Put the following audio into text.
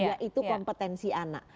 yaitu kompetensi anak